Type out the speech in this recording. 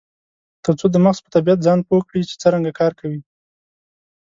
ترڅو د مغز په طبیعت ځان پوه کړي چې څرنګه کار کوي.